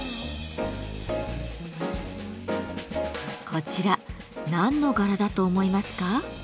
こちら何の柄だと思いますか？